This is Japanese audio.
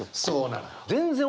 そうなのよ。